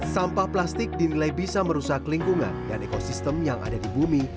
sampah plastik dinilai bisa merusak lingkungan dan ekosistem yang ada di bumi